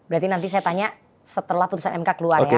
berarti nanti saya tanya setelah putusan mk keluar ya